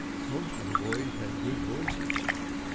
Most of the boys had good voices.